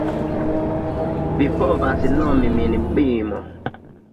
Vi povas nomi min Bimo